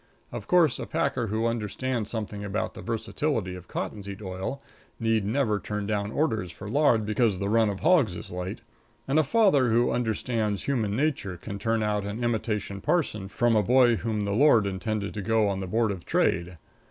Of course, a packer who understands something about the versatility of cottonseed oil need never turn down orders for lard because the run of hogs is light, and a father who understands human nature can turn out an imitation parson from a boy whom the Lord intended to go on the Board of Trade.